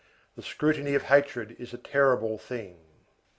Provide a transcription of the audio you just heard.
The scrutiny of hatred is a terrible thing.